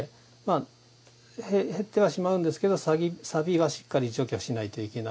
減ってはしまうんですがさびは、しっかり除去しないといけない。